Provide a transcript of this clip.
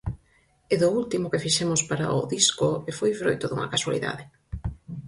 É do último que fixemos para o disco e foi froito dunha casualidade.